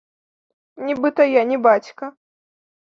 Нібыта я не бацька.